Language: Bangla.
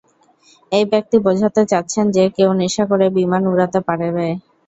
এই ব্যক্তি বোঝাতে চাচ্ছেন যে কেউ নেশা করে বিমান উড়াতে পারবে।